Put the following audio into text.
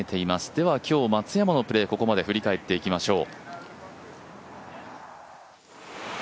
では今日、松山のプレー、ここまで振り返っていきましょう。